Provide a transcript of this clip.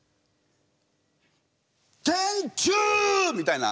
天柱！みたいな。